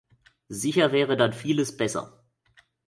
Sicher wäre dann vieles besser.